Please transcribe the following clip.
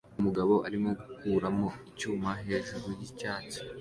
Umugabo arimo gukuramo icyuma hejuru yicyatsi